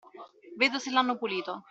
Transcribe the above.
Vedo se l'hanno pulito.